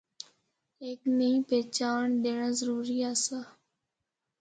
ہک نئی پہچانڑ دینڑا ضروری آسا۔